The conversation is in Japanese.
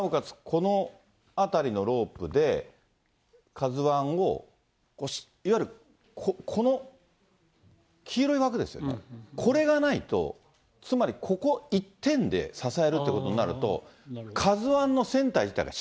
この辺りのロープで、ＫＡＺＵＩをいわゆるこの黄色い枠ですよね、これがないと、つまりここ１点で支えるということになると、ＫＡＺＵそうですね。